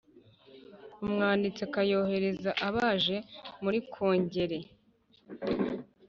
Umwanditsi akayoherereza abaje muri Kongere